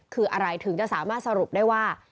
คืออะไรถึงจะสามารถสรุปได้ว่า